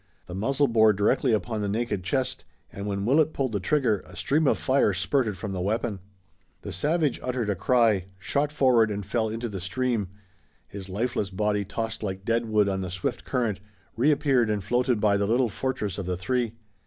The muzzle bore directly upon the naked chest, and when Willet pulled the trigger a stream of fire spurted from the weapon. The savage uttered a cry, shot forward and fell into the stream. His lifeless body tossed like dead wood on the swift current, reappeared and floated by the little fortress of the three.